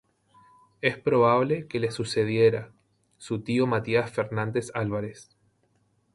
Es probable que le sucediera su tío Matías Fernández Álvarez.